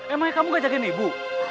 emangnya kamu gak jagain ibu